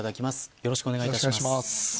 よろしくお願いします。